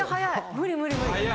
無理無理無理。